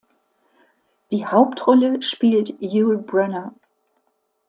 Die Hauptrolle spielt Yul Brynner.